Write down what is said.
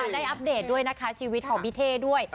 ได้อัปเดตชีวิตของพิเทศด้วย